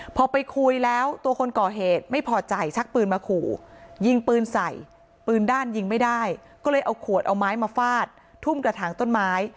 พอไปคุยแล้วตัวคนก่อเหตุไม่พอใจชักปืนมาขู่ยิงปืนใส่ปืนด้านยิงไม่ได้ก็เลยเอาขวดเอาไม้มาฟาดทุ่มกระถางต้นไม้